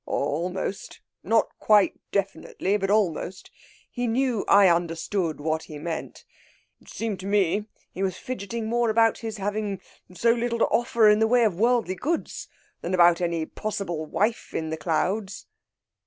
"Almost. Not quite definitely, but almost. He knew I understood what he meant. It seemed to me he was fidgeting more about his having so little to offer in the way of worldly goods than about any possible wife in the clouds."